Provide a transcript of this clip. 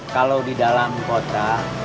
kalau di dalam kota